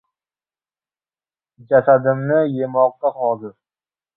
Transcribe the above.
Jasadimni yemoqqa hozir